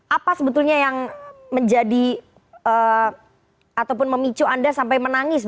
apa sebetulnya yang menjadi ataupun memicu anda sampai menangis